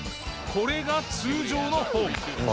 これが通常のフォーム。